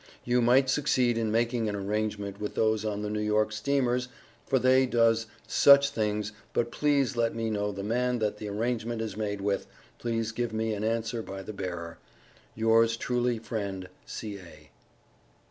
you might succeed in making an arrangement with those on the New york Steamers for they dose such things but please let me know the man that the arrangement is made with please give me an answer by the bearer. yours truly friend C.A.